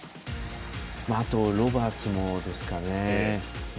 あとはロバーツもですかね。